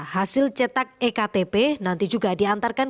hasil cetak iktp nanti juga diantarakan